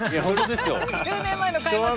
３０年前の開幕戦。